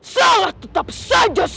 salah tetap saja